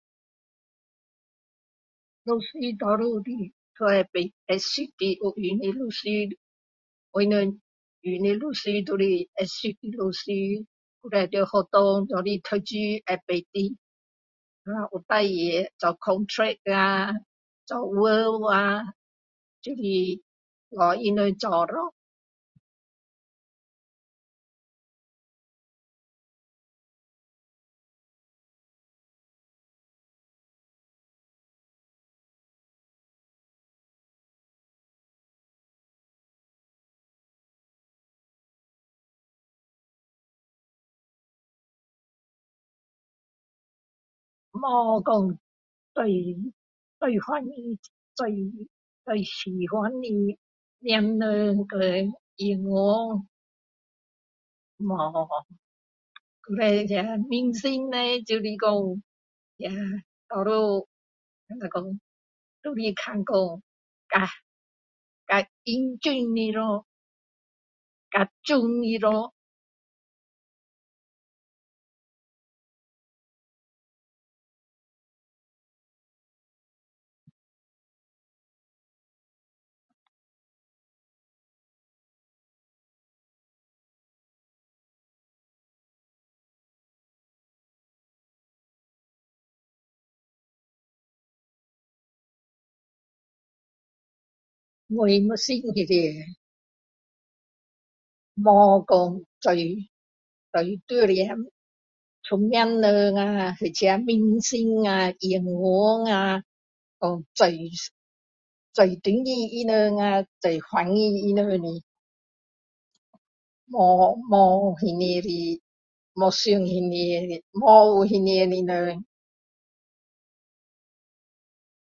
律师大多用的都会知道会认识的律师我们用的律师都是很认识的律师。以前在学校一起读书会懂的。如果有事情做contract 啦做will 呀就是找他们做咯